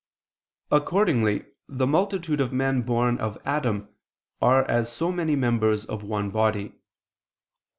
Accordingly the multitude of men born of Adam, are as so many members of one body.